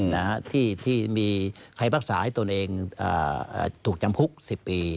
นะฮะที่มีใครรักษาให้ตนเองถูกจำคุกสิบปี